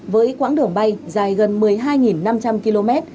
với quãng đường bay dài gần một mươi hai năm trăm linh km